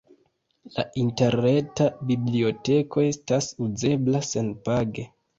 La interreta biblioteko estas uzebla senpage.